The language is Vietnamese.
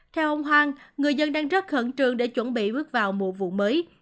theo ông hoàng người dân đang rất khẩn trường để chuẩn bị bước vào mùa vụ mới